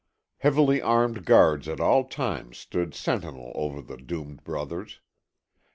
Heavily armed guards at all times stood sentinel over the doomed brothers.